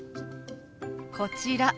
こちら。